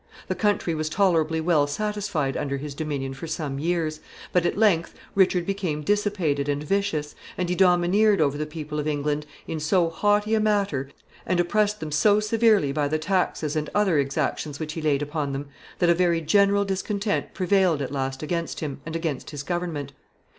The country was tolerably well satisfied under his dominion for some years, but at length Richard became dissipated and vicious, and he domineered over the people of England in so haughty a manner, and oppressed them so severely by the taxes and other exactions which he laid upon them, that a very general discontent prevailed at last against him and against his government.